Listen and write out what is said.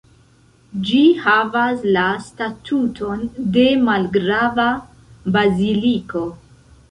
Ĝi havas la statuton de malgrava baziliko.